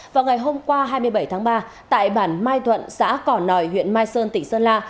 vào ngày hôm qua hai mươi bảy tháng ba tại bản mai thuận xã cỏ nòi huyện mai sơn tỉnh sơn la